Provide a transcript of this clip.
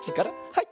はい。